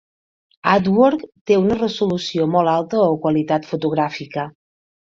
Artwork té una resolució molt alta o qualitat fotogràfica.